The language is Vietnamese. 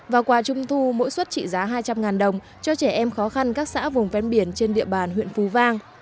và quà trung thu mỗi suất trị giá hai trăm linh đồng cho trẻ em khó khăn các xã vùng ven biển trên địa bàn huyện phú vang